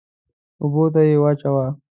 اوبو ته يې واچوه.